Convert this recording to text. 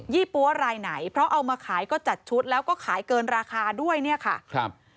ี่ปั๊วรายไหนเพราะเอามาขายก็จัดชุดแล้วก็ขายเกินราคาด้วยเนี่ยค่ะครับ